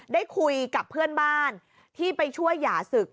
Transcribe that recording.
ได้คุยกับเพื่อนบ้านที่ไปช่วยหย่าศึก